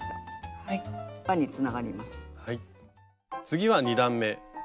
次は２段め。